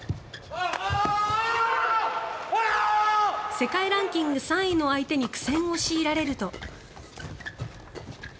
世界ランキング３位の相手に苦戦を強いられると。